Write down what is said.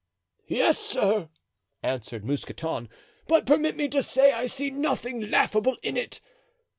"Yes, sir," answered Mousqueton; "but permit me to say I see nothing laughable in it.